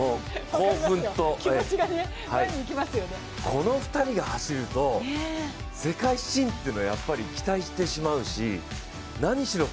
この２人が走ると、世界新というのはやっぱり期待してしまうし、何しろ